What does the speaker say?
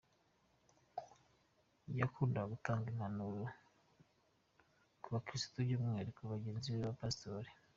Yakundaga gutanga impanuro ku bakristo by'umwihariko bagenzi be b'abapasitori.